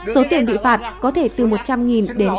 số tiền bị phạt có thể từ một trăm linh đến